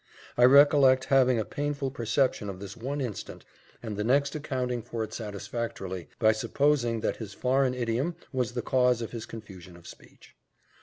I recollect having a painful perception of this one instant, and the next accounting for it satisfactorily, by supposing that his foreign idiom was the cause of his confusion of speech.